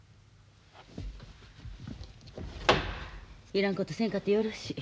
いらんことせんかてよろしい。